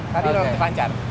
tadi relatif lancar